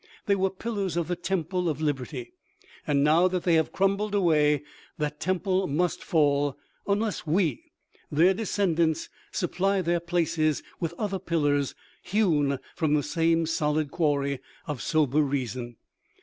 They were pillars of the temple of lib erty, and now that they have crumbled away, that temple must fall, unless we, their descendants, supply their places with other pillars hewn from the same solid quarry of sober reason.